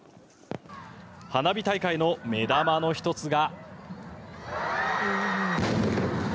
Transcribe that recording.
花火大会の目玉の１つが。